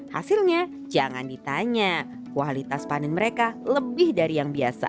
hasilnya jangan ditanya kualitas panen mereka lebih dari yang biasa